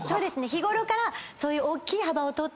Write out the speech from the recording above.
日ごろからそういう。